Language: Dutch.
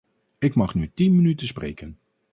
Ik mag nu tien minuten spreken.